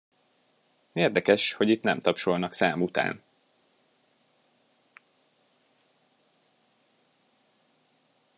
Érdekes, hogy itt nem tapsolnak szám után.